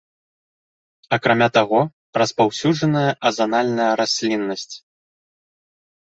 Акрамя таго, распаўсюджаная азанальная расліннасць.